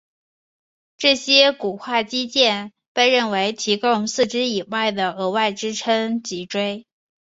这些骨化肌腱被认为提供四肢以外的额外支撑脊椎。